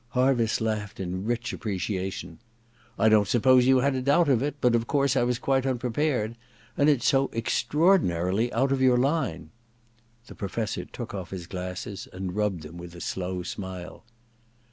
Harviss laughed in rich appreciation. ^I don't suppose you had a doubt of it ; but of course I was quite unprepared. And it's so extraordinarily out of your line ' The Professor took off his glasses and rubbed them with a slow smile.